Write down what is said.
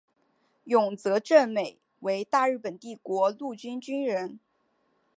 永泽正美为大日本帝国陆军军人。